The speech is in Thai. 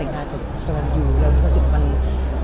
วันนี้น่าจะเป็นทางที่ต้องให้เข้ามาไปนะคะ